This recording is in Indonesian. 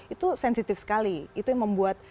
itu sensitif sekali itu yang membuat